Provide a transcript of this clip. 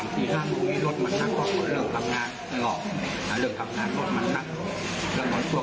สีเทียดพูดว่าหลุมทรีย์สูอาหารลาดมาตลอดคำว่านึกว่า